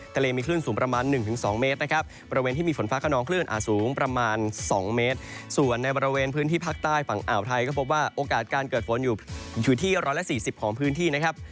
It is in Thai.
ทะเลมีคลื่นสูงประมาณ๑๒เมตรนะครับบริเวณที่มีฝนฟ้าขนองคลื่นอาจสูงประมาณ๒เมตรส่วนในบริเวณพื้นที่ภาคใต้ฝั่งอ่าวไทยก็พบว่าโอกาสการเกิดฝนอยู่ที่๑๔๐ของพื้นที่นะครับ